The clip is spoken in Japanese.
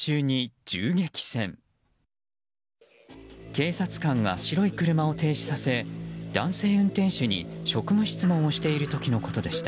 警察官が白い車を停止させ男性運転手に職務質問をしている時のことでした。